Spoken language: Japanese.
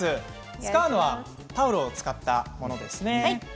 使うのはタオルを使ったものですね。